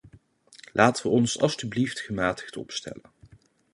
Laten we ons alstublieft gematigd opstellen!